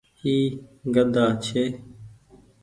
اي گھدآ ڇي۔